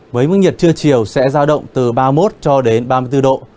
với mức nhiệt trưa chiều sẽ giao động từ ba mươi một cho đến ba mươi bốn độ